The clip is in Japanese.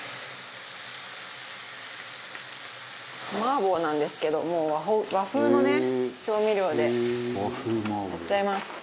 麻婆なんですけどもう和風のね調味料でやっちゃいます。